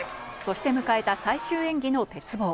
そして迎えた最終演技の鉄棒。